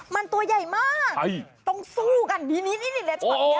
มันตัวใหญ่มากต้องสู้กันนิดเลยช่วงนี้ค่ะ